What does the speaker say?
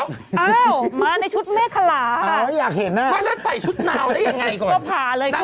อ้าวมาในชุดเมฆคลาค่ะ